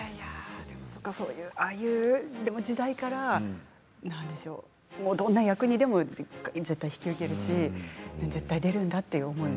ああいう時代からどんな役にでも絶対引き受けるし絶対出るんだという思い。